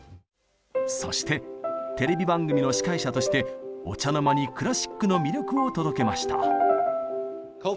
そしてテレビ番組の司会者としてお茶の間にクラシックの魅力を届けました。